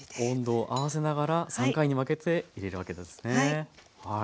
温度を合わせながら３回に分けて入れるわけですね。